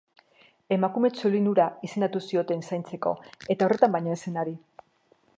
Emakume txolin hura izendatu zioten zaintzeko, eta horretan baino ez zen ari.